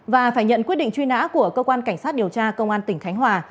và phải nhận quyết định truy nã của cơ quan cảnh sát điều tra công an tỉnh khánh hòa